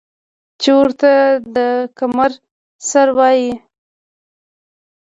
چې ورته د کمر سر وايي ـ